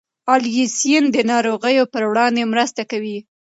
الیسین د ناروغیو پر وړاندې مرسته کوي.